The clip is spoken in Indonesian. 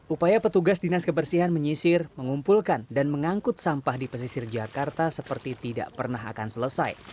upaya petugas dinas kebersihan menyisir mengumpulkan dan mengangkut sampah di pesisir jakarta seperti tidak pernah akan selesai